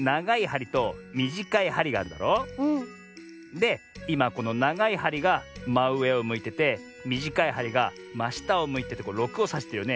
でいまこのながいはりがまうえをむいててみじかいはりがましたをむいてて６をさしてるよね。